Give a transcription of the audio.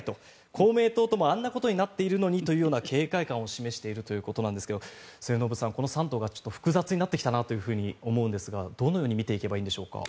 公明党ともあんなことになっているのにという警戒感を示しているということなんですけど末延さん、この３党が複雑になってきたなと思うんですがどのように見ていけばいいんでしょうか？